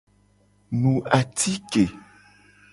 Nu atike.